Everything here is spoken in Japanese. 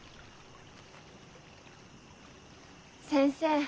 先生